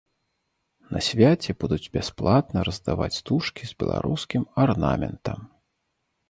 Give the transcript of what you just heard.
На свяце будуць бясплатна раздаваць стужкі з беларускім арнаментам.